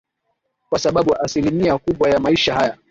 kwa sababu asilimia kubwa ya maisha haya